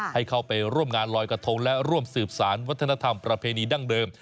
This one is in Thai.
ให้เข้าไปร่วมงานลอยกระทงและร่วมสืบสารวัฒนธรรมประเพณีดั้งเดิม